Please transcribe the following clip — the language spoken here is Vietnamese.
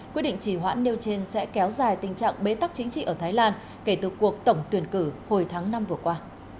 quyết định chỉ hoãn nêu trên sẽ kéo dài tình trạng bế tắc chính trị ở thái lan kể từ cuộc tổng tuyển cử hồi tháng năm vừa qua